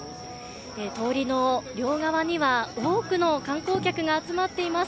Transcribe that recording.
通りの両側には多くの観光客が集まっています。